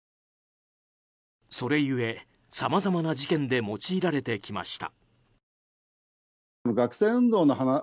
それゆえ、さまざまな事件で用いられてきました。